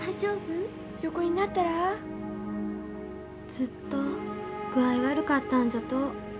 ずっと具合悪かったんじゃと。